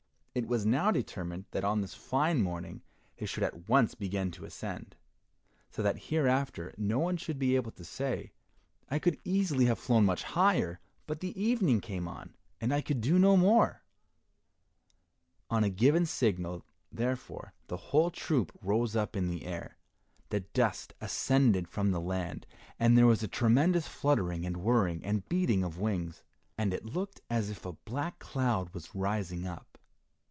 It was now determined that on this fine morning they should at once begin to ascend, so that hereafter no one should be able to say, "I could easily have flown much higher, but the evening came on, and I could do no more." On a given signal, therefore, the whole troop rose up in the air. The dust ascended from the land, and there was tremendous fluttering and whirring and beating of wings, and it looked as if a black cloud was rising up.